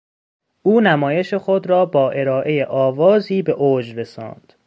او نمایش خود را با ارائه آوازی به اوج رساند.